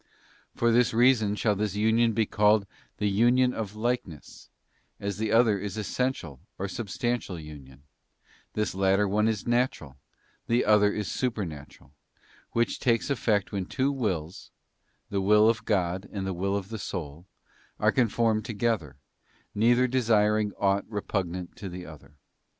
For this reason shall this union be called the union of likeness, as the other is essential or substantial union ; this latter one is natural, the other is supernatural, which takes effect when two wills, the will of God and the will of the soul, are conformed together, neither desiring aught repugnant to the other.